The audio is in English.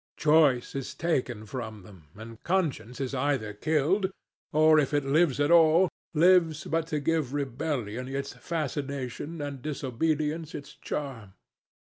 Choice is taken from them, and conscience is either killed, or, if it lives at all, lives but to give rebellion its fascination and disobedience its charm.